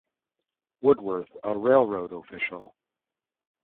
Woodworth, a railroad official.